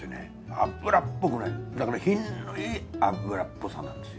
脂っぽくないだから品のいい脂っぽさなんです。